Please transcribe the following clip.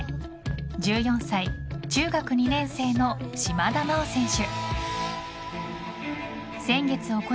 １４歳、中学２年生の島田麻央選手。